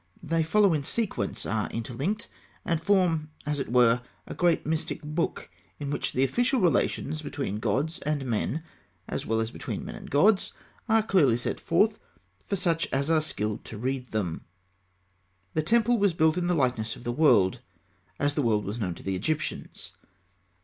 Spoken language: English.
They follow in sequence, are interlinked, and form as it were a great mystic book in which the official relations between gods and men, as well as between men and gods, are clearly set forth for such as are skilled to read them. The temple was built in the likeness of the world, as the world was known to the Egyptians.